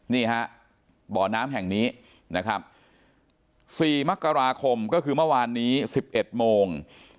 นี่ฮะบ่อน้ำแห่งนี้นะครับ๔มกราคมก็คือเมื่อวานนี้๑๑โมง